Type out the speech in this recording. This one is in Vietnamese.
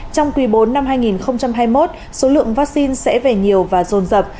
trong quý bốn năm hai nghìn hai mươi một số lượng vaccine sẽ về nhiều và rồn rập